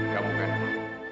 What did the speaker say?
kamu kan tahu